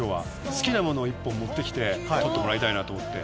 好きなものを１本持ってきて撮ってもらいたいと思って。